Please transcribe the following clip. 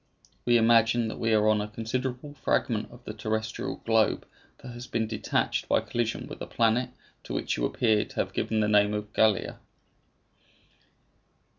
We imagine that we are on a considerable fragment of the terrestrial globe that has been detached by collision with a planet to which you appear to have given the name of Gallia."